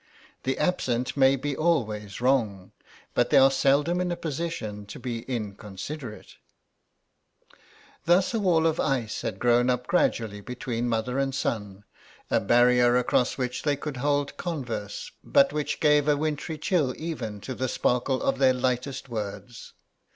The absent may be always wrong, but they are seldom in a position to be inconsiderate. Thus a wall of ice had grown up gradually between mother and son, a barrier across which they could hold converse, but which gave a wintry chill even to the sparkle of their lightest words.